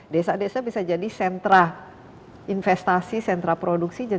desa desa bisa jadi sentra investasi sentra produksi